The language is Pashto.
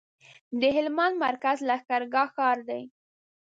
د هلمند مرکز لښکرګاه ښار دی